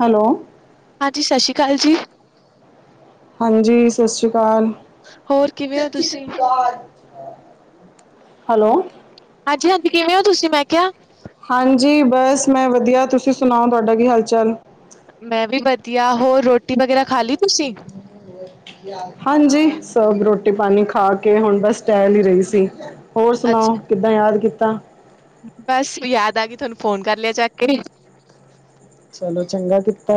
Hello! ਹਾਂਜੀ, ਸਤਿ ਸ੍ਰੀ ਅਕਾਲ ਜੀ। ਹਾਂਜੀ, ਸਤਿ ਸ਼੍ਰੀ ਅਕਾਲ ਹੋਰ ਕਿਵੇਂ ਹੋ ਸਤਿ ਸ਼੍ਰੀ ਤੁਸੀਂ? ਅਕਾਲ, ਹੈਲੋ। ਹਾਂਜੀ-ਹਾਂਜੀ, ਕਿਵੇਂ ਹੋ ਤੁਸੀਂ? ਮੈਂ ਕਿਹਾ। ਹਾਂਜੀ, ਬਸ ਮੈਂ ਵਧੀਆ। ਤੁਸੀਂ ਸੁਣਾਓ, ਤੁਹਾਡਾ ਕੀ ਹਾਲ-ਚਾਲ? ਮੈਂ ਵੀ ਵਧੀਆ, ਹੋਰ, ਰੋਟੀ-ਵਗੈਰਾ ਖਾ ਲਈ ਤੁਸੀਂ? ਹਾਂਜੀ, ਸਬ ਰੋਟੀ-ਪਾਣੀ ਖਾ ਕੇ ਹੁਣ ਬਸ ਟਹਿਲ ਹੀ ਰਹੇ ਸੀ। ਹੋਰ ਅੱਛਾ, ਸੁਣਾਓ, ਕਿੱਦਾਂ ਯਾਦ ਕੀਤਾ? ਬਸ, ਯਾਦ ਆ ਗਈ ਤੁਹਾਨੂੰ ਫੋਨ ਕਰ ਲਿਆ ਚੱਕ ਕੇ। ਚਲੋ, ਚੰਗਾ ਕੀਤਾ।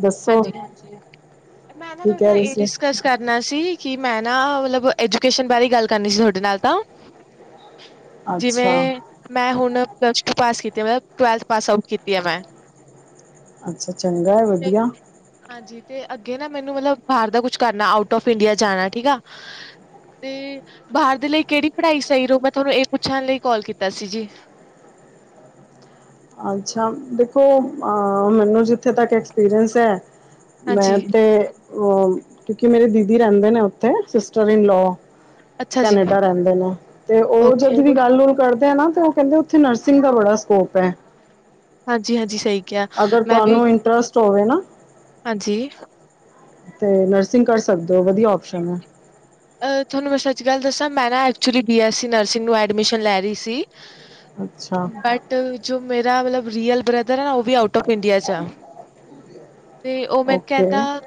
ਦੱਸੋ ਹਾਂਜੀ-ਹਾਂਜੀ, ਮੈਂ ਕੀ ਤੁਹਾਡੇ ਕਹਿ ਨਾਲ ਰਹੇ ਇਹ ਸੀ ਡਿਸਕਸ ਕਰਨਾ ਸੀ ਕਿ ਮੈ ਨਾ, ਮਤਲਬ ਐਜੂਕੇਸ਼ਨ ਬਾਰੇ ਗੱਲ ਕਰਨੀ ਸੀ ਤੁਹਾਡੇ ਨਾਲ ਤਾਂ। ਅੱਛਾ ਜਿਵੇਂ ਮੈਂ ਹੁਣ ਮੈਂ ਪਲੱਸ ਟੂ ਪਾਸ ਕੀਤੀ ਵੇ। ਟਵੈਲਥ ਪਾਸ-ਆਊਟ ਕੀਤੀ ਹੈ ਮੈਂ। ਅੱਛਾ ਚੰਗਾ ਹੈ ਵਧੀ। ਹਾਂਜੀ। ਤੇ ਅੱਗੇ ਨਾ, ਮੈਨੂੰ ਮਤਲਬ ਬਾਹਰ ਦਾ ਕੁਝ ਕਰਨਾ, ਆਊਟ ਆਫ ਇੰਡੀਆ ਜਾਣਾ। ਠੀਕ ਆ। ਤੇ ਬਾਹਰ ਦੇ ਲਈ ਕਿਹੜੀ ਪੜ੍ਹਾਈ ਸਹੀ ਰਹੂ? ਮੈਂ ਤੁਹਾਨੂੰ ਇਹ ਪੁੱਛਣ ਲਈ ਕੋਲ ਕੀਤੀ ਸੀ ਜੀ। [inaudible] ਅੱਛਾ, ਦੇਖੋ, ਆ ਮੈਨੂੰ ਜਿੱਥੇ ਤੱਕ ਐਕਸਪੀਰੀਅਂਸ ਹੈ, ਮੈਂ, ਹਾਂਜੀ। ਤੇ, ੳ ਕਿਉਂਕਿ ਮੇਰੇ ਦੀਦੀ ਰਹਿੰਦੇ ਨੇ ਉੱਥੇ ਸਿਸਟਰ-ਇਨ ਲੋ-। ਅੱਛਾ ਜੀ, ਕੈਨੇਡਾ ਰਹਿੰਦੇ ਨੇ, ਤੇ ਉਹ ਓਕੇ ਜਦ ਵੀ ਗੱਲ ਕਰਦੇ ਆ ਨਾ ਉਹ ਕਹਿੰਦੇ ਉੱਥੇ ਨਰਸਿੰਗ ਦਾ ਬੜਾ ਸਕੋਪ ਹੈ। ਹਾਂਜੀ-ਹਾਂਜੀ, ਸਹੀ ਕਿਹਾ ਅਗਰ, ਮੈਂ ਵੀ ਤੁਹਾਨੂੰ ਇੰਟਰਸਟ ਹੋਵੇ ਨਾ। ਹਾਂਜੀ ਤੇ ਨਰਸਿੰਗ ਕਰ ਸਕਦੇ ਹੋ, ਵਧੀਆ ਆਪਸ਼ਨ ਹੈ। ਅ-ਅ ਤੁਹਾਨੂੰ ਸੱਚੀ ਗੱਲ ਦੱਸਾ, ਮੈਂ actually B S E nursing ਵਿੱਚ ਐਡਮਿਸ਼ਨ ਲੈ ਰਹੀ ਸੀ। ਅੱਛਾ ਬਟ ਜੋ ਮੇਰਾ ਵਾਲਾ ਰੀਅਲ ਬ੍ਰਦਰ ਹੈ ਨਾ ਉਹ ਦੇ ਆਉਟ ਔਫ ਇੰਡੀਆ ਚ ਆ ਤੇ ਉਹ ਮੈਨੂੰ ਓਕੇ ਕਹਿੰਦਾ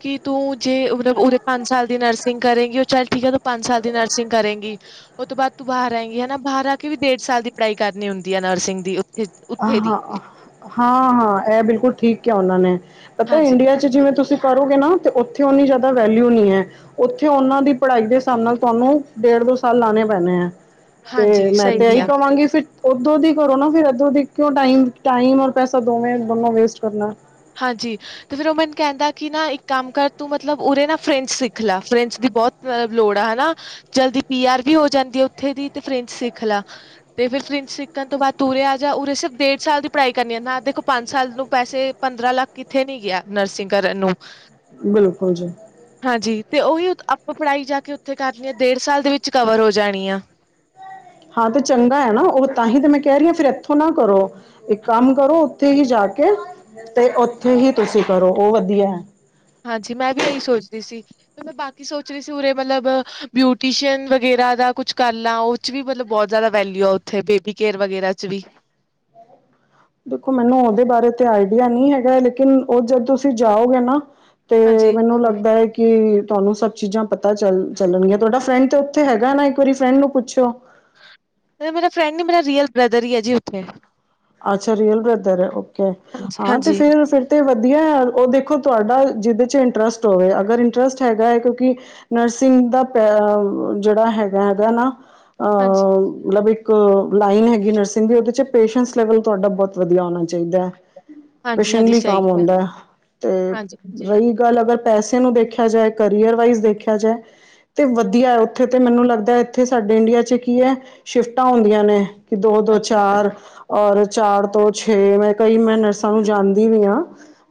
ਕਿ ਤੂੰ ਜੇ ਉਹ ਉਰੇ ਪੰਜ ਸਾਲ ਦੀ ਨਰਸਿੰਗ ਕਰੇਗੀ ਉਹ ਚੱਲ ਠੀਕ ਹੈ, ਤੂੰ ਪੰਜ ਸਾਲ ਦੀ ਨਰਸਿੰਗ ਕਰੇਗੀ ਉਹਦੇ ਬਾਦ ਤੂੰ ਬਾਹਰ ਆਏਗੀ ਹੈਨਾ ਬਾਹਰ ਆ ਕੇ ਵੀ ਦੇਖ ਪੰਜ ਸਾਲ ਦੀ ਪੜ੍ਹਾਈ ਕਰਨੀ ਹੁੰਦੀ ਹੈ ਨਰਸਿੰਗ ਦੀ। ਉੱਥੇ ਉੱਥੇ ਦੀ ਹਾਂ-ਹਾਂ-ਹਾਂ ਇਹ ਬਿਲਕੁਲ ਠੀਕ ਕਿਹਾ ਉਹਨਾਂ ਨੇ। ਪਤਾ ਇੰਡੀਆ ਚ ਜਿਵੇਂ ਤੁਸੀਂ ਕਰੋਗੇ ਨਾ ਤੇ ਉਥੇ ਉਨੀ ਜਿਆਦਾ ਵੈਲਿਊ ਨਹੀਂ ਹੈ ਉਥੇ ਉਹਨਾਂ ਦੀ ਪੜ੍ਹਾਈ ਦੇ ਹਿਸਾਬ ਨਾਲ ਤੁਹਾਨੂੰ ਢੇਢ ਦੋ ਸਾਲ ਲਾਣੇ ਪੈਣੇ ਹੈ ਤੇ ਹਾਂਜੀ-ਹਾਂਜੀ ਮੈਂ ਸਹੀ ਤੇ ਇਹੀ ਕਿਹਾ ਕਵਾਂਗੀ ਫਿਰ ਓਦੋਂ ਦੀ ਕਰੋ ਨਾ ਫਿਰ, ਇਦਰੋ ਕਿਉਂ ਟਾਈਮ ਔਰ ਪੈਸਾ ਦੋਵੇਂ ਦੋਨੋਂ ਵੇਸਟ ਕਰਨਾ। ਹਾਂਜੀ, ਤੇ ਫਿਰ ਉਹ ਮੈਨੂੰ ਕਹਿੰਦਾ ਕਿ ਨਾ ਇੱਕ ਕੰਮ ਕਰ ਤੂੰ ਮਤਲਬ ਉਰੇ ਨਾ ਫਰੈਂਚ ਸਿਖਲਾ ਫਰੈਂਚ ਬਹੁਤ ਲੋੜ ਆ ਹੈਨਾ ਜਲਦੀ ਪੀ ਆਰ ਵੀ ਹੋ ਜਾਂਤੀ ਆ ਉੱਥੇ ਦੀ ਤੇ ਫਰਿੰਚ ਸਿੱਖ ਲਾ ਤੇ ਵਿ ਪ੍ਰਿੰਸ ਸਿੱਖਣ ਤੋਂ ਬਾਅਦ ਤੂਰੇ ਆ ਜਾ ਉਰੇ ਸਿਰਫ ਡੇਢ ਸਾਲ ਦੀ ਪੜ੍ਹਾਈ ਕਰਨੀਆਂ ਨਾ ਦੇਖੋ ਪੰਜ ਸਾਲ ਨੂੰ ਪੈਸੇ ਪੰਦਰਾਂ ਲੱਖ ਕਿੱਥੇ ਨੀ ਗਿਆ ਨਰਸਿੰਗ ਕਰਨ ਨੂੰ। ਬਿਲਕੁਲ ਜੀ ਆਪਾਂ ਪੜ੍ਹਾਈ ਜਾ ਕੇ ਉੱਥੇ ਕਰਨੀ ਆ ਡੇਢ ਸਾਲ ਦੇ ਵਿੱਚ ਕਵਰ ਹੋ ਜਾਣੀ ਆ। ਹਾਂ, ਤੇ ਚੰਗਾ ਹੈ ਨਾ ਉਹ ਤਾਂਹੀ ਤੇ ਮੈਂ ਕਹਿ ਰਹੀ ਹਾਂ ਫਿਰ ਇੱਥੋਂ ਨਾ ਕਰੋ ਇਕ ਕਮ ਕਰੋ ਦਿੱਲੀ ਜਾ ਕੇ ਤੇ ਉੱਥੇ ਹੀ ਤੁਸੀਂ ਕਰੋ ਉਹ ਵਧੀਆ ਹੈ। ਹਾਂਜੀ, ਮੈਂ ਵੀ ਇਹੀ ਸੋ ਦੀਸੀ ਤੇ ਮੈਂ ਬਾਕੀ ਸੋਚ ਰਹੀ ਸੀ ਉਰੇ ਮਤਲਬ ਬਿਊਟੀਸ਼ੀਅਨ ਵਗ ਜਿਆਦਾ ਕੁਛ ਕਰ ਲਾ ਉਹ ਚ ਵੀ ਮਤਲਬ ਬਹੁਤ ਜਿਆਦਾ ਵੈਲਯੁ ਉਥੇ ਬੇਬੀ ਕੇਯਰ ਵਗੈਰਾ ਚ ਵੀ [inaudible] ਦੇਖੋ ਮੈਨੂੰ ਉਹਦੇ ਬਾਰੇ ਤੇ ਆਈਡੀਆ ਨਹੀਂ ਹੈਗਾ, ਲੇਕਿਨ ਉਹ ਜਦ ਤੁਸੀਂ ਜਾਓਗੇ ਨਾ ਹਾਂਜੀ, ਤੇ ਮੈਨੂੰ ਲੱਗਦਾ ਹੈ ਕਿ ਤੁਹਾਨੂੰ ਸਭ ਚੀਜ਼ਾਂ ਪਤਾ ਚੱਲ ਚੱਲਣਗੀਆਂ ਤੁਹਾਡਾ ਫਰੈਂਡ ਤਾਂ ਉੱਥੇ ਹੈਗਾ ਨਾ ਇੱਕ ਵਾਰੀ ਫਰੈਂਡ ਨੂੰ ਪੁੱਛਿਓ। ਮੇਰਾ ਫਰੈਂਡ ਨ ਮੇਰਾ ਰੀਅਲ ਬ੍ਰਦਰ ਹੀ ਹੈ ਜੀ ਉੱਥੇ। ਅੱਛਾ, ਰੀਅਲ ਬ੍ਰਦਰ ਹੈ ਓਕੇ ਹਾਂ ਤੇ ਹਾਂਜੀ। ਫਿਰ- ਫਿਰ ਤੇ ਵਧੀਆ ਉਹ ਦੇਖੋ ਤੁਹਾਡਾ ਜਿਹਦੇ ਚ ਇੰਟਰਸਟ ਹੋਵੇ ਅਗਰ ਇੰਟਰਸਟ ਹੈਗਾ ਹੈ ਕਿਉਂਕਿ ਨਰਸਿੰਗ ਦਾ ਜਿਹੜਾ, ਹੈਗਾ ਹੈਗਾ ਨਾ ਹਾਂਜੀ, ਲਵੇ ਇਕ ਲਾਈਨ ਹੈਗੀ ਏ ਉਦੇ ਵਿੱਚ ਪੇਸਸ ਲੈਵਲ ਤੁਹਾਡਾ ਬਹੁਤ ਵਧੀਆ ਹੋਣਾ ਚਾਹੀਦਾ ਹੈ, ਹਾਂਜੀ, ਹਾਂਜੀ ਪਸ਼ਨਲੀ ਸਹੀ ਕੰਮ ਆਉਂਦਾ ਹੈ ਤੇ ਹਾਂਜੀ, ਹਾਂਜੀ, ਰਹੀ ਗੱਲ ਅਗਰ ਪੈਸੇ ਨੂੰ ਦੇਖਿਆ ਜਾਏ। ਕਰੀਅਰ ਮਗਰ ਦੇਖਿਆ ਜਾਏ, ਤੇ ਵਧੀਆ ਹੈ ਉੱਥੇ ਤੇ ਮੈਨੂੰ ਲੱਗਦਾ ਇੱਥੇ ਸਾਡੇ ਇੰਡੀਆ ਚ ਕੀ ਹੈ, ਸਿਫਟਾ ਹੁੰਦੀਆ ਨੇ। ਦੋ-ਦੋ ਹਾਂਜੀ, ਚਾਰ, ਔਰ ਚਾਰ ਤੋਂ ਛੇ ਮੈਂ ਕਈ ਮੈਂ ਨਰਸਾਂ ਨੂੰ ਜਾਣਦੀ ਵੀ ਹਾਂ।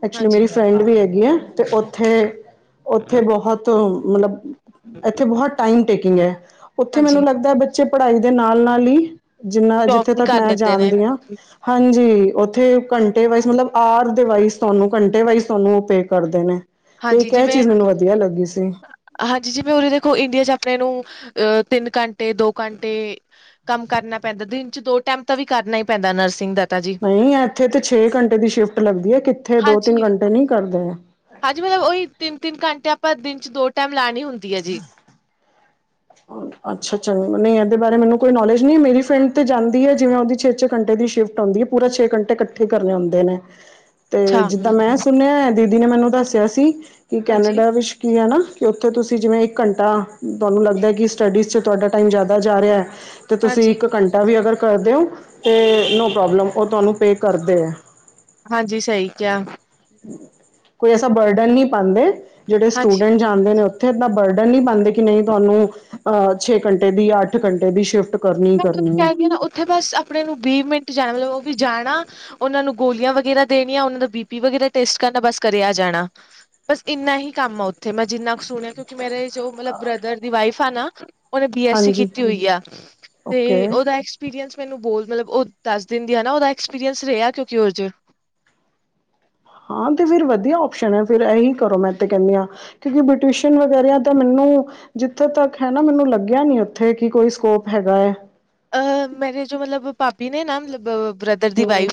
ਐਕਚੁਲੀ ਹਾਂਜੀ ਮੇਰੀ ਫਰੈਂਡ ਵੀ ਹੈਗੀ ਆ ਤੇ ਉੱਥੇ-ਉਥੇ ਬਹੁਤ ਮਤਲਬ, ਇੱਥੇ ਬਹੁਤ ਟਾਈਮ ਟੇਕੀਗ ਐ ਉਥੇ ਹਾਂਜੀ ਮੈਨੁੰ ਲਗਦਾ ਪੜਾਈ ਦੇ ਨਾਲ-ਨਾਲ ਹੀ, ਜਿੰਨਾ ਜੋਬ ਜਿੱਥੇ ਵੀ ਤੱਕ ਕਰ ਮੈਂ ਲੈਂਦੇ ਨੇ। ਜਾਣਦੀ ਹਾਂ ਹਾਂਜੀ ਉਥੇ ਘੰਟੇ ਵਾਈਸ ਮਤਲਬ ਆਰ ਦੇ ਵਾਈਜ਼ ਤੁਹਾਨੂੰ ਘੰਟੇ ਵਾਈਜ਼ ਤੁਹਾਨੂੰ ਉਹ ਪੇ ਕਰਦੇ ਨੇ। ਅਤੇ ਹਾਂਜੀ ਇੱਕ ਇਹ ਜਿਵੇਂ, ਚੀਜ਼ ਮੈਨੂੰ ਵਧੀਆ ਲੱਗੀ ਸੀ ਹਾਂਜੀ ਜਿਵੇ ਉਰੇ ਦੇਖੋ ਇੰਡੀਆ ਚ ਮੈਨੂੰ ਨੂੰ ਅਹ ਤਿੰਨ ਘੰਟੇ, ਦੋ ਘੰਟੇ ਕੰਮ ਕਰਨਾ ਪੈਂਦਾ ਦਿਨ ਚ ਦੋ ਟਾਈਮ ਤਾਂ ਵੀ ਕਰ ਨਹੀਂ ਵਾਹਿਧਾ ਨਰਸਿੰਗ ਦਾ। ਤਾਂ ਜੀ, ਨਹੀਂ, ਇੱਥੇ ਤਾਂ ਛੇ ਘੰਟੇ ਦੀ ਸ਼ਿਫਟ ਲੱਗਦੀ ਹੈ ਕਿੱਥੇ ਦੋ- ਤਿੰਨ ਹਾਂਜੀ। ਘੰਟੇ ਨਹੀਂ ਕਰਦੇ। ਹਾਂਜੀ ਤਿੰਨ-ਤਿੰਨ ਘੰਟਿਆਂ ਆਪਾ ਦਿਨ ਚ ਦੋ ਟਾਈਮ ਲਾਣੀ ਹੁੰਦੀ ਹੈ ਜੀ। ਅੱਛਾ, ਨਹੀਂ ਇਹਦੇ ਬਾਰੇ ਮੈਨੂੰ ਕੋਈ ਨੌਲੇਜ ਨਹੀਂ, ਮੇਰੀ ਫਰੈਂਡ ਤੇ ਜਾਂਦੀ ਹ ਜਿਵੇਂ ਉਹਦੀ ਛੇ-ਛੇ ਘੰਟੇ ਦੀ ਸ਼ਿਫਟ ਆਦੀ ਐ ਪੁਰੇ ਛੇ ਘੰਟੇ ਇਕੱਠੇ ਆਉਦੇ ਨੇ, ਅੱਛਾ। ਤੇ ਜਿੱਦਾਂ ਮੈਂ ਸੁਣਿਆ ਦੀਦੀ ਨੇ ਮੈਨੁੰ ਦੱਸਿਆ ਸੀ, ਕੀ ਹਾਂਜੀ, ਕੇਨਡਾ ਵਿੱਚ ਕੀ ਐ ਨਾ, ਕਿ ਉੱਥੇ ਤੁਸੀਂ ਜਿਵੇਂ ਇੱਕ ਘੰਟਾ, ਤੁਹਾਨੂੰ ਲੱਗਦਾ ਕਿ ਸਟੱਡੀਜ਼ ਚ ਤੁਹਾਡਾ ਟਾਈਮ ਜ਼ਿਆਦਾ ਜਾ ਰਿਹਾ। ਤੇ ਤੁਸੀਂ ਹਾਂਜੀ, ਇੱਕ ਘੰਟਾ ਵੀ ਅਗਰ ਕਰਦੇ ਹੋ, ਤੇ ਨੋ ਪ੍ਰੋਬਲਮ, ਉਹ ਤੁਹਾਨੂੰ ਪੇ ਕਰਦੇ ਹੈ ਹਾਂਜੀ, ਸਹੀ ਕਿਹਾ। ਕੋਈ ਐਸਾ ਬਰਡਨ ਨਹੀਂ ਪਾਦੇ ਜਿਹੜੇ ਹਾਂਜੀ। ਸਟੂਡੈਂਟ ਜਾਂਦੇ ਨੇ ਉੱਥੇ ਏਨਾਂ ਬਰਡਨ ਨਹੀਂ ਪਾਂਦੇ ਕਿ ਨਹੀਂ ਤੁਹਾਨੂੰ ਅਹ ਛੇ ਘੰਟੇ ਦੀ, ਜਾਂ ਅੱਠ ਘੰਟੇ ਦੀ ਸ਼ਿਫਟ ਕਰਨੀ ਹੀ ਮੈਂ ਦੋ ਕਰਨੀ ਹੈ ਕਹ ਰਹੀ ਹਾਂ ਨਾ ਉੱਥੇ ਬਸ ਆਪਣੇ ਨੂੰ ਵੀਹ ਮਿੰਟ ਚਲ ਉਹ ਵੀ ਜਾਣਾ, ਉਹਨਾਂ ਨੂੰ ਗੋਲੀਆਂ ਵਗੈਰਾ ਦੇਣੀਆਂ ਉਹਨਾਂ ਦਾ ਬੀ ਪੀ ਵਗੈਰਾ ਟੈਸਟ ਕਰਨਾ, ਬਸ ਘਰੇ ਆ ਜਾਣਾ। ਬਸ ਇੰਨਾ ਹੀ ਕੰਮ ਆ ਉੱਥੇ, ਮੈਂ ਜਿੰਨਾ ਕੁ ਸੁਣਿਆ, ਕਿਉਂਕਿ ਮੇਰੇ ਜੋ ਮਤਲਬ ਬ੍ਰਦਰ ਦੀ ਵਾਈਫ ਆ ਨਾ ਉਹਨੇ ਬੀ ਐਸ ਸੀ ਹਾਂਜੀ ਕੀਤੀ ਹੋਈ ਆ ਤੇ ਓਕੇ ਉਹਦਾ ਐਕਸਪੀਰੀਅੰਸ ਮੈਨੂੰ ਬੋਹਤ ਮਤਲਬ ੳਹ ਦਸ ਦਿਨ ਦੀ ਹੈਨਾ, ਉਹਦਾ ਐਕਸਪੀਰੀਅੰਸ ਰਿਹਾ ਕਿਉਂਕਿ ਉਹਦੇ ਚ ਹਾਂ ਤੇ ਫਿਰ ਵਧੀਆ ਔਪਸ਼ਨ ਹੈ ਫਿਰ, ਇਹੀ ਕਰੋ ਮੈਂ ਤੇ ਕਹਿੰਦੀ ਹਾਂ, ਕਿਉਂਕਿ ਬਟਿਊਸ਼ਨ ਵਗੈਰਾ ਤਾਂ ਮੈਨੂੰ ਜਿੱਥੋਂ ਤੱਕ ਹੈਨਾ ਮੈਨੂੰ ਲੱਗਿਆ ਨੀ ਉੱਥੇ, ਕਿ ਕੋਈ ਸਕੋਪ ਹੈਗਾ ਹੈ। ਅਹ ਮੇਰੇ ਜੋ ਮਤਲਬ ਭਾਬੀ ਨੇ ਨਾ ਮਤਲਬ ਬ੍ਰਦਰ ਦੀ ਹਮ ਵਾਈਫ,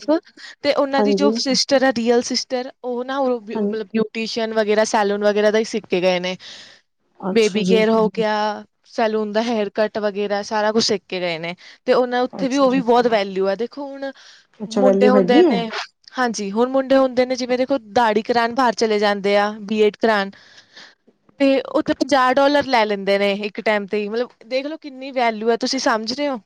ਤੇ ਉਹਨਾਂ ਦੀ ਜੋ ਹਾਂਜੀ ਸਿਸਟਰ ਆ ਰੀਅਲ ਸਿਸਟਰ ਉਹ ਨਾ ਉਹ ਹਾਂ ਮਤਲਬ ਬਿਊਟੀਸ਼ੀਅਨ ਵਗੈਰਾ ਸੈਲੂਨ ਵਗੈਰਾ ਦਾ ਹੀ ਸਿੱਖ ਕੇ ਗਏ ਨੇ ਅੱਛਾ ਬੇਬੀ ਜੀ ਕੇਅਰ ਹੋ ਗਿਆ, ਸੈਲੂਨ ਦਾ ਹੇਅਰ ਕੱਟ ਵਗੈਰਾ, ਸਾਰਾ ਕੁਛ ਸਿੱਖ ਗਏ ਨੇ। ਤੇ ਉਹਨਾ ਉੱਥੇ ਵੀ ਅੱਛਾ ਉਹਦੀ ਜੀ ਬਹੁਤ ਵੈਲਿਊ ਹੈ, ਦੇਖੋ ਹੁਣ ਅੱਛਾ ਮੁੰਡੇ ਵੈਲਿਊ ਹੁੰਦੇ ਹੈਗੀ ਹੈ ਨੇ ਹਾਂਜੀ, ਹੁਣ ਮੁੰਡੇ ਹੁੰਦੇ ਨੇ ਜਿਵੇਂ ਦੇਖੋ ਦਾੜੀ ਕਰਾਣ ਬਾਹਰ ਚਲੇ ਜਾਂਦੇ ਆ ਬਰੀਏਡ ਕਰਾਣ ਤੇ ਉੱਥੇ ਪੰਜਾਹ ਡੋਲਰ ਲੈ ਲੈਂਦੇ ਨੇ ਇੱਕ ਟਾਈਮ ਤੇ ਮਤਲਬ ਦੇਖ ਲਓ ਕਿੰਨੀ ਵੈਲਊ ਹੈ, ਤੁਸੀਂ ਸਮਝ ਸਮਝ ਰਹੇ ਔ,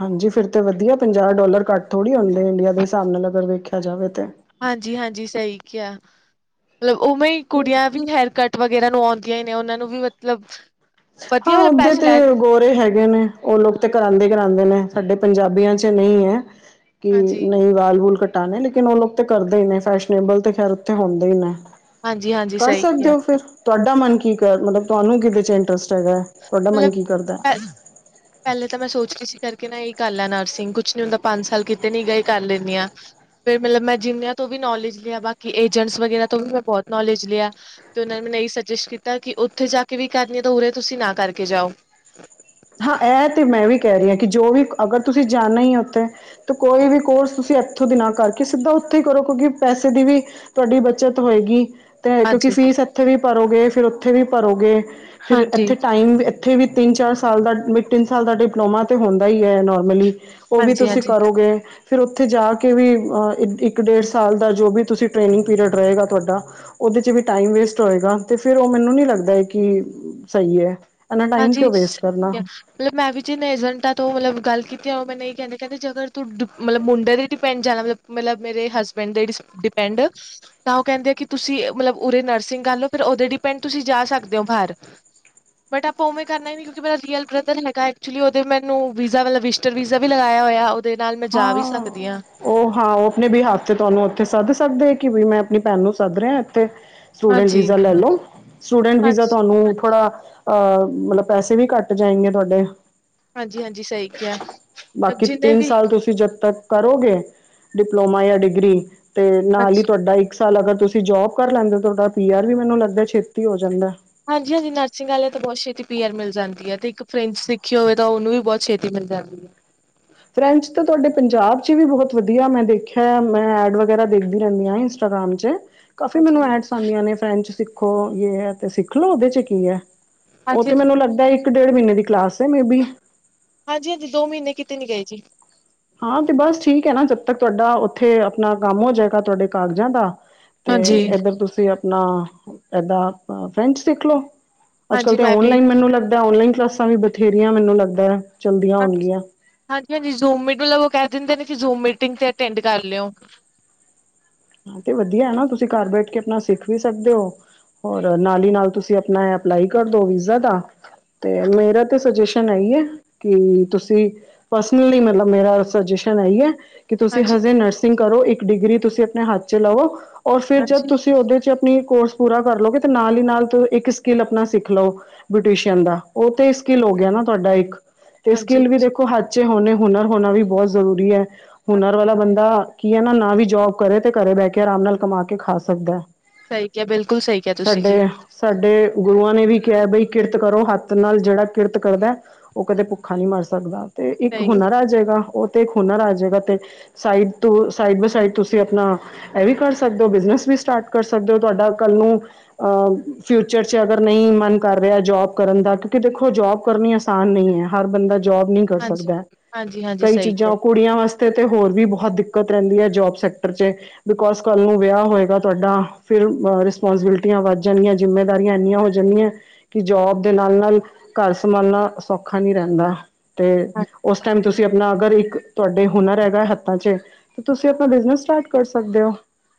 ਹਾਂਜੀ ਫਿਰ ਤੇ ਵਧੀਆ ਪੰਜਾਹ ਡੋਲਰ ਘੱਟ ਥੋੜ੍ਹੀ ਹੋਂਦੇ ਨੇ, ਇੰਡੀਆ ਦੇ ਹਿਸਾਬ ਨਾਲ ਅਗਰ ਵੇਖਿਆ ਜਾਵੇ ਤੇ ਹਾਂਜੀ-ਹਾਂਜੀ, ਸਹੀ ਕਿਹਾ, ਮਤਲਬ ਉਵੇਂ ਹੀ ਕੁੜੀਆਂ ਵੀ ਹੇਅਰ ਕੱਟ ਵਗੈਰਾ ਨੂੰ ਆਦੀਆਂ ਹੀ ਨੇ ਉਹਨਾਂ ਨੂੰ ਵੀ ਮਤਲਬ ਹਾਂ ਵਧੀਆ ਮਤਲਬ ਔਧਰ ਪੈਸੇ ਤੇ ਲੈ ਗੋਰੇ ਹੈਗੇ ਨੇ, ਉਹ ਲੋਕ ਤੇ ਕਰਾਂਦੇ ਕਰਾਂਂਦੇ ਨੇ, ਸਾਡੇ ਪੰਜਾਬੀਆਂ ਚ ਨਹੀਂ ਹੈ ਕਿ, ਹਾਂਜੀ ਨਹੀਂ ਵਾਲ ਵੂਲ ਕਟ ਨੇ ਲੇਕਿਨ ਉਹ ਲੋਕ ਤੇ ਕਰਦੇ ਹੀ ਨੇ, ਫੈਸ਼ਨਐਬਲ ਤੇ ਖੈਰ ਉੱਥੇ ਹੁੰਦੇ ਹੀ ਨੇ। ਹਾਂਜੀ ਹਾਂਜੀ ਕਰ ਸਹੀ ਸਕਦੇ ਕਿਹਾ ਹੋ ਫਿਰ, ਤੁਹਾਡਾ ਮਨ ਕੀ ਕਹ ਮਤਲਬ ਤੁਹਾਨੂੰ ਕਿਦੇ ਚ ਇੰਟਰਸਟ ਹੈਗਾ, ਤੁਹਾਡਾ ਮਨ ਕੀ ਕਰਦਾ। ਮਤਲਬ ਨਹੀ ਇਹੀ ਕਰ ਲੈ ਨਰਸਿੰਗ ਕੁਛ ਨੀ ਹੁੰਦਾ, ਪੰਜ ਸਾਲ ਕਿਤੇ ਨੀ ਗਏ ਇਹੀ ਕਰ ਲੈਂਦੀ ਹਾਂ, ਫੇਿਰ ਮਤਲਬ ਮੈਂ ਜਿੰਨੀਆਂ ਤੋਂ ਵੀ ਨੌਲੇਜ ਲਿਆ ਬਾਕੀ ਏਜਂਟਸ ਵਗਰਾ ਤੋਂ ਵੀ ਮੈਂ ਬਹੁਤ ਨੌਲੇਜ ਲਿਆ, ਤੇ ਉਹਨਾ ਮੈਨੂੰ ਏਹੀ ਸੁਜੈਸਟ ਕੀਤਾ ਕਿ ਔ ਉੱਥੇ ਜਾ ਕੇ ਵੀ ਕਰਨੀ ਹੈ, ਤਾਂ ਉਰੇ ਤੁਸੀਂ ਨਾ ਕਰਕੇ ਜਾਓ। ਕਹ ਰਹੀ ਹੈ ਕਿ ਜੋ ਵੀ ਅਗਰ ਤੁਸੀਂ ਜਾਣਾ ਹੀ ਉੱਥੇ, ਤਾਂ ਕੋਈ ਵੀ ਕੋਰਸ ਤੁਸੀਂ ਇੱਥੋਂ ਦੀ ਨਾ ਕਰਕੇ ਸਿੱਧਾ ੳਥੋਂ ਉੱਥੇ ਕਰੋ, ਕਿਉਂਕਿ ਪੈਸੇ ਦੀ ਵੀ ਤੁਹਾਡੀ ਬੱਚਤ ਹੋਏਗੀ। ਤੇ ਕਿਉਂਕਿ ਹਾਂਜੀ, ਫੀਸ ਇੱਥੇ ਵੀ ਭਰੋਗੇ, ਫਿਰ ਉੱਥੇ ਵੀ ਭਰੋਗੇ, ਫਿਰ ਹਾਂਜੀ, ਇੱਥੇ ਟਾਈਮ ਉੱਥੇ ਵੀ ਤਿੰਨ, ਚਾਰ ਸਾਲ ਦਾ, ਮ ਤਿੰਨ ਸਾਲ ਦਾ ਡਿਪਲੋਮਾ ਤਾਂ ਹੁੰਦਾ ਹੀ ਹੈ ਨੋਰਮਲੀ ਉਹ ਵੀ ਹਾਂਜੀ, ਤੁਸੀਂ ਹਾਂਜੀ, ਕਰੋਗੇ। ਫਿਰ ਉੱਥੇ ਜਾ ਕੇ ਵੀ ਇੱਕ, ਡੇਢ ਸਾਲ ਦਾ ਜੋ ਵੀ ਤੁਸੀਂ ਟ੍ਰੇਨਿੰਗ ਪੀਰੀਅਡ ਰਹੇਗਾ ਤੁਹਾਡਾ ਉਹਦੇ ਚ ਵੀ ਟਾਈਮ ਵੇਸਟ ਹੋਏਗਾ ਤੇ ਫਿਰ ਉਹ ਮੈਨੂੰ ਨੀ ਲੱਗਦਾ ਹੈ ਕਿ ਸਹੀ ਏ। ਹੈਨਾ, ਟਾਈਮ ਕਿਉਂ ਹਾਂਜੀ। ਵੇਸਟ ਮਤਲਬ ਮੈਂ ਵੀ ਜਿਨ ਏਜੰਟਾਂ ਤੋ ਮਤਲਬ ਗੱਲ ਕੀਤੀ ਉਹ ਮੈਂ ਨਹੀਂ ਕਹਿੰਦੇ-ਕਹਿੰਦੇ ਜਗਰ ਤੂੰ ਮਤਲਬ ਮੁੰਡੇ ਤੇ ਡਿਪੈਂਡ ਜਾਣਾ ਮਤਲਬ, ਮਤਲਬ ਮੇਰੇ ਹਸਬੈਂਡ ਦੇ ਡਿਪੈਂਡ ਤਾਂ ਉਹ ਕਹਿੰਦੇ ਆ ਕਿ ਤੁਸੀਂ ਮਤਲਬ ਉਰੇ ਨਰਸਿੰਗ ਕਰ ਲਓ ਫਿਰ ਉਹਦੇ ਡਿਪੈਂਡ ਤੁਸੀਂ ਜਾ ਸਕਦੇ ਸਕਦੇ ਹੋ ਬਾਹਰ। ਬਟ ਆਪਾਂ ਉਵੇਂ ਕਰਨਾ ਹੀ ਨਹੀਂ ਕਿਉਂਕਿ ਮੇਰਾ ਰੀਅਲ ਬ੍ਦਰ ਹੈਗਾ ਏ, ਏਚਯੁਲੀ ਔਦੇ ਮੈਨੂੰ ਵੀਜ਼ਾ ਵਲ ਵੀਜਿਟਰ ਵੀਜ਼ਾ ਵੀ ਲਗਾਇਆ ਹੋਇਆ ਔ ਹਾਂ ਉਹ ਹਾਂ ਉਹ ਅਪਣੇ ਬੀਆੱਫ ਤੇ ਤੁਹਾਨੂੰ ਉੱਥੇ ਸੱਦ ਸਕਦੇ ਕਿ ਵੀ ਮੈਂ ਆਪਣੀ ਭੈਣ ਨੂੰ ਸੱਦ ਰਿਹਾ ਇੱਥੇ ਸਟੂਡੈਂਟ ਹਾਂਜੀ ਵੀਜ਼ਾ ਲੈ ਲੋ, ਸਟੂਡੈਂਟ ਵੀਜ਼ਾ ਹਾਂਜੀ ਤੁਹਾਨੂੰ ਥੋੜਾ ਅਹ ਮਤਲਬ ਪੈਸੇ ਵੀ ਘੱਟ ਜਾਏਗੇ ਤੁਹਾਡੇ ਹਾਂਜੀ ਹਾਂਜੀ ਸਹੀ ਕਿਹਾ, ਬਾਕੀ ਜਿੰਨੇ ਤਿੰਨ ਵੀ ਤੁਸੀਂ ਜਦ ਤੱਕ ਕਰੋਗੇ ਡਿਪਲੋਮਾ ਜਾਂ ਡਿਗਰੀ। ਤੇ ਨਾਲ ਹੀ ਹਾਂਜੀ ਤੁਹਾਡਾ ਇੱਕ ਸਾਲ ਅਗਰ ਤੁਸੀਂ ਜੋਬ ਕਰ ਲੈਂਦੇ ਹੋ ਤੁਹਾਡਾ ਪੀਆਰ ਵੀ ਮੈਨੂੰ ਲੱਗਦਾ ਛੇਤੀ ਹੋ ਜਾਂਦਾ। ਹਾਂਜੀ ਹਾਂਜੀ ਨਰਸਿੰਗ ਵਾਲੇ ਤਾਂ ਬਹੁਤ ਛੇਤੀ ਪੀ ਆਰ ਮਿਲ ਜਾਂਦੀ ਹ। ਤੇ ਇੱਕ ਫਰੈਂਚ ਸਿਖੀ ਹੋਵੇ ਤਾਂ ਉਹਨੂੰ ਵੀ ਬਹੁਤ ਜਾਂਦੀ ਹੈ। ਫਰੈਂਚ ਤਾਂ ਤੁਹਾਡੇ ਪੰਜਾਬ ਚ ਵੀ ਬਹੁਤ ਵਧੀਆ ਮੈਂ ਦੇਖਿਆ ਮੈਂ ਐਡ ਵਗੈਰਾ ਦੇਖਦੀ ਰਹਿੰਦੀ ਆ ਇੰਸਟਾਗਰਾਮ ਚ! ਕਾਫੀ ਹਾਂਜੀ ਮੈਨੂੰ ਐਡਸ ਆਉਂਦੀਆਂ ਨੇ ਫਰੈਂਡ ਚ ਸਿੱਖੋ ਤੇ ਸਿੱਖ ਲੋ ਉਹਦੇ ਚ ਕੀ ਹੈ। ਉਹ ਹਾਂਜੀ ਤੇ ਹਾਂਜੀ ਮੈਨੂੰ ਲੱਗਦਾ ਇੱਕ ਡੇਢ ਮਹੀਨੇ ਦੀ ਕਲਾਸ ਹੈ ਮੇ ਬੀ। ਹਾਂਜੀ ਹਾਂਜੀ ਦੋ ਮਹੀਨੇ ਕਿਤੇ ਨਹੀਂ ਗਏ ਜੀ। ਹਾਂ ਤੇ ਬਸ ਠੀਕ ਹ ਨਾ ਜਦ ਤੱਕ ਤੁਹਾਡਾ ਉਥੇ ਆਪਣਾ ਕੰਮ ਹੋ ਜਾਏਗਾ ਤੁਹਾਡੇ ਕਾਗਜਾਂ ਦਾ ਤੇ ਹਾਂਜੀ ਇਧਰ ਤੁਸੀਂ ਆਪਣਾ ਇਦਾਂ ਫਰੈਂਚ ਸਿੱਖ ਲਓ। ਅੱਜਕੱਲ ਹਾਂਜੀ ਤੇ ਮੈਂ ਵੀ ਆਨਲਾਈਨ ਮੈਨੂੰ ਲੱਗਦਾ ਆਨਲਾਈਨ ਕਲਾਸਾਂ ਵੀ ਬਥੇਰੀਆਂ ਮੈਨੂੰ ਲੱਗਦਾ। ਚਲਦੀਆਂ ਹੋਣਗੀਆਂ ਹਾਂਜੀ ਹਾਂਜੀ ਜੂਮ ਮਿਡਲ ਕਰ ਦਿੰਦੇ ਨੇ ਕਿ ਜ਼ੋ ਮੀਟਿੰਗ ਤੇ ਅਟੈਂਡ ਕਰ ਲਿਓ। ਤੇ ਵਧੀਆ ਨਾ ਤੁਸੀਂ ਘਰ ਬੈਠ ਕੇ ਆਪਣਾ ਸਿੱਖ ਵੀ ਸਕਦੇ ਹੋ। ਔਰ ਨਾਲੀ ਨਾਲ ਤੁਸੀਂ ਆਪਣਾ ਅਪਲਾਈ ਕਰ ਦੋ ਵੀਜ਼ਾ ਦਾ। ਤੇ ਮੇਰਾ ਤੇ ਸਜੇਸ਼ਨ ਹੈਗੀ ਹ ਕਿ ਤੁਸੀਂ ਪਰਸਨਲੀ ਮਤਲਬ ਮੇਰਾ ਕਿ ਤੁਸੀਂ ਹਾਂਜੀ ਹਸਿੰਗ ਕਰੋ ਇਕ ਡਿਗਰੀ ਤੁਸੀਂ ਆਪਣੇ ਹੱਥ ਚ ਲਾਓ ਔਰ ਫਿਰ ਜਦ ਹਾਂਜੀ ਤੁਸੀਂ ਉਹਦੇ ਚ ਆਪਣੀ ਕੋਰਸ ਪੂਰਾ ਕਰ ਲੋਗੇ ਤੇ ਨਾਲ ਹੀ ਨਾਲ ਇੱਕ ਸਕਿਲ ਆਪਣਾ ਸਿੱਖ ਲਓ ਬ੍ਰਿਟਿਸ਼ ਦਾ ਉਹ ਤੇ ਹੋ ਗਿਆ ਨਾ। ਤੁਹਾਡਾ ਇੱਕ ਤੇ ਹਾਂਜੀ ਸਕਿਲ ਵੀ ਦੇਖੋ ਹੱਦ ਚ ਹੋਣੇ ਹੁਨਰ ਹੋਣਾ ਵੀ ਬਹੁਤ ਜਰੂਰੀ ਹੈ। ਹੁਨਰ ਵਾਲਾ ਬੰਦਾ ਕੀ ਹਨਾ ਨਾਂ ਵੀ ਜੋਬ ਕਰੇ ਤੇ ਘਰੇ ਬਹਿ ਕੇ ਆਰਾਮ ਨਾਲ ਕਮਾ ਕੇ ਖਾ ਸਕਦਾ। ਸਹੀ ਕਿਹਾ ਬਿਲਕੁਲ ਸਹੀ ਕਿਹਾ ਤੁਸੀਂ ਜੀ ਸਾਡੇ ਸਾਡੇ ਗੁਰੂਆਂ ਨੇ ਵੀ ਕਿ ਬਈ ਕਿਰਤ ਕਰੋ ਹੱਥ ਨਾਲ ਜਿਹੜਾ ਕਿਰਤ ਕਰਦਾ ਉਹ ਕਦੇ ਭੁੱਖਾ ਨਹੀਂ ਮਰ ਸਕਦਾ। ਤੇ ਇੱਕ ਸਹੀ ਹੁਨਰ ਆ ਜਾਏਗਾ ਉਹ ਤੇ ਹੁਨਰ ਆ ਜਾਏਗਾ ਤੇ ਸਾਈਡ ਤੋ ਸਾਈਡ ਬੇਸ ਸਾਈਡ ਤੁਸੀਂ ਤੇ ਆਪਣਾ ਇਹ ਵੀ ਕਰ ਸਕਦੇ ਹੋ ਬਿਜ਼ਨਸ ਵੀ ਸਟਾਰਟ ਕਰ ਸਕਦੇ ਹੋ। ਤੁਹਾਡਾ ਕੱਲ ਨੂੰ ਚਰਚਾ ਅਗਰ ਨਹੀਂ ਮਨ ਕਰ ਰਿਹਾ ਜੋਬ ਕਰਨ ਦਾ ਕਿਉਂਕਿ ਦੇਖੋ ਜੋਬ ਕਰਨੀ ਆਸਾਨ ਨਹੀਂ ਹੈ ਹਰ ਬੰਦਾ ਜੋਬ ਨਹੀਂ ਕਰ ਹਾਂਜੀ, ਸਕਦਾ ਹਾਂਜੀ-ਹਾਂਜੀ ਕਈ ਸਹੀ ਕਿਹਾ, ਚੀਜ਼ਾਂ ਕੁੜੀਆਂ ਵਾਸਤੇ ਤੇ ਹੋਰ ਵੀ ਬਹੁਤ ਕਤ ਰਹਿੰਦੀ ਹ ਜੋਬ ਸੈ ਬਿਕੋਜ਼ ਕਾਲ ਨੂੰ ਵਿਆਹ ਹੋਏਗਾ। ਤੁਹਾਡਾ ਫਿਰ ਰਿਸਪਾਂਸਬਿਲਿਟੀਆਂ ਵੱਧ ਜਾਂਦੀਆਂ ਜ਼ਿੰਮੇਦਾਰੀਆ ਨੀਆਂ ਹੋ ਜਾਂਦੀਆਂ ਕਿ ਜੋਬ ਦੇ ਨਾਲ ਨਾਲ ਘਰ ਸਮਾਨਾ ਸੌਖਾ ਨਹੀਂ ਰਹਿੰਦਾ। ਤੇ ਹਾਂ ਉਸ ਟਾਈਮ ਤੁਸੀਂ ਆਪਣਾ ਅਗਰ ਇੱਕ ਤੁਹਾਡੇ ਹੁਨਰ ਹੈਗਾ ਹੱਥਾਂ ਚ ਤੇ ਤੁਸੀਂ ਆਪਣਾ ਬਿਜਨਸ ਸਟਾਰਟ ਕਰ ਸਕਦੇ ਓ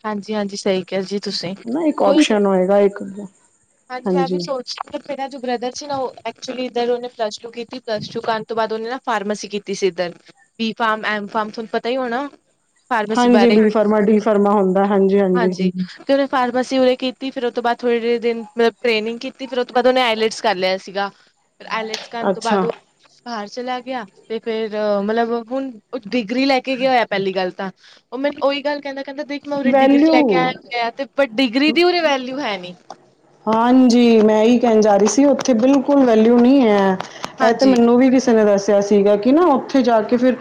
ਹਾਂਜੀ ਹਾਂਜੀ, ਸਹੀ ਕਿਹਾ ਜੀ ਤੁਸੀਂ ਇੱਕ ਆਪਸ਼ਨ ਹੋਏਗਾ ਇੱਕ ਹਾਂਜੀ ਮੈਂ ਵੀ ਸੋਚ ਮੇਰਾ ਜੋ ਬਰਦਰ ਸੀ, ਨਾ ਓ ਐਕਚੂਲੀ ਦਰੋਂ ਨੇ ਪਲੱਸ ਟੂ ਕੀਤੀ ਪਲੱਸ ਟੂ ਕਰਨ ਤੋਂ ਬਾਅਦ ਫਾਰਮਾਸੀ ਕੀਤੀ ਸੀ ਇਧਰ। ਬੀ- ਫਾਮ, ਐਮ-ਫਾਮ, ਤੁਹਾਨੂੰ ਪਤਾ ਹੀ ਹੁਣਾ ਹਾਂਜੀ। ਬੀ- ਫਾਰਮਾ ਡੀ -ਫਾਰਮਾ ਹੁੰਦਾ। ਹਾਂਜੀ ਹਾਂਜੀ ਕਰੋ ਫਾਰਮਾਸੀ ਉਰੇ ਕੀਤੀ ਫਿਰ ਉਹਤੋਂ ਬਾਅਦ ਥੋੜੇ ਦਿਨ ਮਤਲਬ ਟ੍ਰੇਨਿੰਗ ਕੀਤੀ ਫਿਰ ਉਸ ਤੋਂ ਬਾਅਦ ਉਹਨੇ ਆਈਲੈਟਸ ਕਰ ਲਿਆ ਸੀਗਾ। ਆਈਲੈਟਸ ਕਰਨ ਤੋਂ ਬਾਅਦ ਅੱਛਾ ਬਾਹਰ ਚਲਾ ਗਿਆ। ਤੇ ਫਿਰ ਮਤਲਬ ਡਿਗਰੀ ਲੈ ਕੇ ਗਏ ਹੋਇਆ ਪਹਿਲੀ ਗੱਲ ਤਾਂ। ਉਹ ਮੈਨੂੰ ਉਹੀ ਗੱਲ ਕਹਿੰਦਾ ਕਹਿੰਦਾ ਦੇਖ ਡਿਗਰੀ ਲੈ ਕੇ ਵੈਲਿਊ ਆਇਆ ਤੇ ਪਰ ਡਿਗਰੀ ਦੀ ਵੈਲਿਊ ਹੈ ਨਹੀਂ। ਜੀ ਮੈਂ ਇਹੀ ਕਹਿਣ ਜਾ ਰਹੀ ਸੀ। ਉੱਥੇ ਬਿਲਕੁਲ ਵੈਲਿਊ ਨਹੀਂ ਹੈ। ਇਹ ਤੇ ਹਾਂਜੀ ਮੈਨੂੰ ਵੀ ਕਿਸੇ ਤੇ ਸੀਗਾ ਕਿ ਨਾ ਉੱਥੇ ਜਾ ਕੇ ਫਿਰ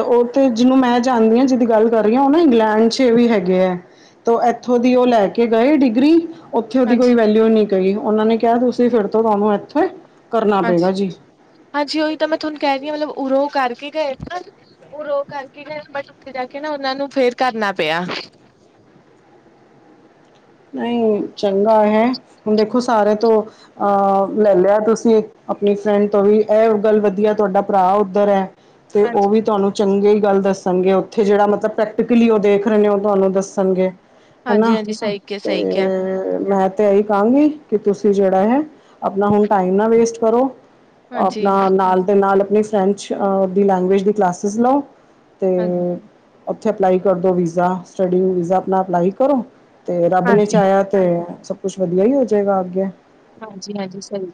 ਉਹ ਤੇ ਜਿਹਨੂੰ ਮੈਂ ਜਾਣਦੀ ਆ ਜਿਹਦੀ ਗੱਲ ਕਰ ਰਹੀ ਇੰਗਲੈਂਡ ਛੇਵੀ ਹੈਗੇ ਆ ਤੋ ਇਥੋਂ ਦੀ ਉਹ ਲੈ ਕੇ ਗਏ ਡਿਗਰੀ ਉਥੇ ਉਹਦੀ ਕੋਈ ਹਾਂਜੀ ਵੈਲਿਊ ਨਹੀਂ। ਤੇ ਉਹਨਾਂ ਨੇ ਕਿਹਾ ਤੁਸੀਂ ਫਿਰ ਤੋਂ ਤੁਹਾਨੂੰ ਕਰਨਾ ਹਾਂਜੀ ਪਏਗਾ ਜੀ ਹਾਂਜੀ ਉਹੀ ਤਾਂ ਮੈਂ ਤੁਹਾਨੂੰ ਕਹਿ ਰਹੀ ਮਤਲਬ ਉ ਕਰਕੇ ਗਏ ਉਹ ਰੋ ਕਰਕੇ ਜਾ ਕੇ ਨਾ ਉਹਨਾਂ ਨੂੰ ਫਿਰ ਕੁੱਛ ਆਵਾਜ਼ ਨਹੀਂ ਹੈ। ਨਹੀਂ ਚੰਗਾ ਹੈ ਹੁਣ ਦੇਖੋ ਸਾਰੇ ਤੋ ਲੈ ਲਿਆ ਤੁਸੀਂ ਆਪਣੀ ਫਰੈਂਡ ਤੋਂ ਵੀ ਐ ੳ ਗੱਲ ਵਧੀਆ ਤੁਹਾਡਾ ਭਰਾ ਉੱਧਰ ਹੈ ਤੇ ਔ ਹਾਂਜੀ ਵੀ ਤੁਹਾਨੂੰ ਚੰਗੇ ਈ ਗੱਲ ਦੱਸਣਗੇ ਔਥੇ ਜੇੜਾ ਮਤਲਬ ਪ੍ਰੈਕਟੀਕਲੀ ਔ ਦੇਖ ਰੇ ਨੇ ਔ ਤੁਹਾਨੂੰ ਦੱਸਣਗੇ। ਹਾਂਜੀ ਹਨਾ ਹਾਂਜੀ, ਸਹੀ ਕਿਹਾ ਸਹੀ ਤੇ ਕਿਹਾ ਮੈਂ ਤੇ ਐਹੀ ਕਾਂਗੀ। ਕਿ ਤੁਸੀਂ ਜੇੜਾ ਹੈ, ਅਪਣਾ ਹੁਣ ਟਾਈਮ ਨਾ ਵੇਸਟ ਕਰੋ। ਹਾਂਜੀ ਅਪਣਾ ਨਾਲ ਦੇ ਨਾਲ ਅਪਣੀ ਫਰੈਂਚ ਅ ਦੀ ਲੈਂਗੁਏਜ ਦੀ ਕਲਾਸਿਸ ਲੋ, ਤੇ ਹਾਂਜੀ ਔਥੇ ਅਪਲਾਈ ਕਰ ਦੋ ਵੀਜ਼ਾ। ਸਟਡੀ ਵੀਜ਼ਾ ਅਪਣਾ ਅਪਲਾਈ ਕਰੋ। ਤੇ ਰੱਬ ਨੇ ਹਾਂਜੀ ਚਾਯਾ ਤੇ ਸਭ ਕੁਛ ਵਧੀਆ ਹੀ ਹੋ ਜੇਗਾ ਅੱਗੇ। ਹਾਂਜੀ ਹਾਂਜੀ, ਸਹੀ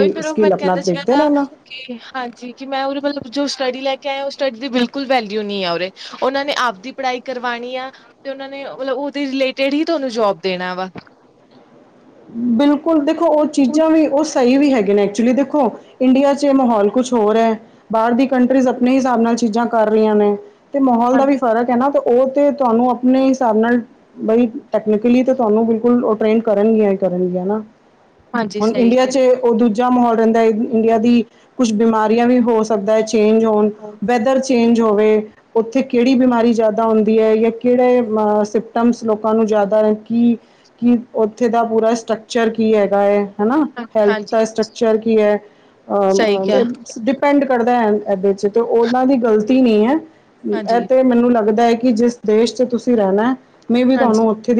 ਔਹੀ ਕਰੋ ਮੈਂ ਸਕਿੱਲ ਆਪਣਾ ਕੈੰਦਾ ਸੀਗਾ ਦੇਖਦੇ ਰਹਿਣਾ ਕੈੰਦਾ ਕਿ ਹਾਂਜੀ ਕਿ ਮੈਂ ਉਰੇ ਪੈਲੇ ਜੋ ਸਟੱਡੀ ਲੈ ਕ ਕੈ ਔ ਸਟੱਡੀ ਦੀ ਬਿਲਕੁਲ ਵੈਲਿਊ ਨੀ ਐ ਉਰੇ, ਔਨਾਂ ਨੇ ਆਪ ਦੀ ਪੜ੍ਹਾਈ ਕਰਵਾਣੀ ਆ ਤੇ ਔਨਾਂ ਨੇ ਉਲੇ ਉ ਉਦੇ ਰਿਲੇਟਿਡ ਹੀ ਤੁਹੈਨੂੰ ਜੋਬ ਦੇਣਾ ਵਾ। ਬਿਲਕੁਲ ਦੇਖੋ ਔ ਚੀਜ਼ਾਂ ਵੀ ਔ ਸਹੀ ਵੀ ਹੈ। ਹੈਗੇ ਨੇ ਐਕਚੁਲੀ ਦੇਖੋ ਇੰਡੀਆ ਚ ਮਹੌਲ ਕੁਛ ਹੋਰ ਹੈ, ਬਾਰ ਦੀ ਕੰਟਰੀਜ਼ ਅਪਣੇ ਹਿਸਾਬ ਨਾਲ ਚੀਜ਼ਾਂ ਕਾਰ ਕਰ ਰੀਆਂ ਨੇ ਤੇ ਮਾਹੌਲ ਦਾ ਹਾਂ- ਵੀ ਫ਼ਰਕ ਹੈ ਨਾ। ਓਹ ਤੇ ਤੁਹਾਨੂੰ ਅਪਣੇ ਹਿਸਾਬ ਨਾਲ ਬਈ ਟੈਕਨੀਕਲੀ ਤੇ ਤੁਹਾਨੂੰ ਬਿਲਕੁਲ ਔ ਟ੍ਰੇਨ ਕਰਨਗੀਆਂ। ਕਰਨਗੀਆਂ ਨਾ ਹਾਂਜੀ ਹੁਣ ਸਹੀ ਇੰਡੀਆ ਚ ਔ ਦੂਜ ਜਾ ਮਾਹੌਲ ਰੈੰਦਾ ਏ, ਇੰਡੀਆ ਦੀ ਕੁਛ ਬਿਮਾਰੀਆਂ ਵੀ ਹੋ ਸਕਦਾ ਹੈ। ਚੇਂਜ ਹੋਣ ਕਿਹਾ ਵੈਦਰ ਚੇਂਜ ਹੋਵੇ ਔਥੇ ਕੇੜੀ ਬਿਮਾਰੀ ਜੈਦਾ ਹੁੰਦੀ ਐ? ਕੀ-ਕੀ ਔਥੇ ਦਾ ਪੂਰਾ ਸਟਕਚਰ ਹੈਨਾ ਹਾਂ- ਹੈਲਥ ਹਾਂਜੀ ਦਾ ਸਟਕਚਰ ਕੀ ਹੈ? ਸਹੀ ਤੇ ਕਿਹਾ ਡਿਪੈਂਡ ਕਰਦਾ ਐਦੇ ਚ, ਤੇ ਔਨਾਂ ਦੀ ਗ਼ਲਤੀ ਨੀ ਐ, ਐ ਹਾਂਜੀ ਤੇ ਮੈਨੂੰ ਲੱਗਦਾ ਐ ਕਿ ਕਿ ਜਿਸ ਦੇਸ਼ ਚ ਤੁਸੀਂ ਰੈਣੈ, ਮੇ ਬੀ ਹਾਂਜੀ ਤੁਹਾਨੂੰ ਔਥੇ ਦੀ